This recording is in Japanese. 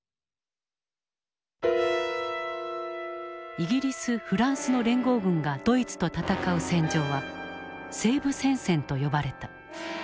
イギリスフランスの連合軍がドイツと戦う戦場は西部戦線と呼ばれた。